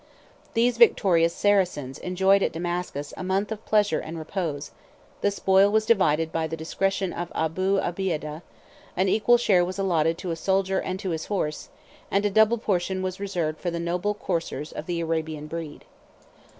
These victorious Saracens enjoyed at Damascus a month of pleasure and repose: the spoil was divided by the discretion of Abu Obeidah: an equal share was allotted to a soldier and to his horse, and a double portion was reserved for the noble coursers of the Arabian breed.